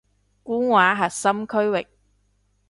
官話核心區域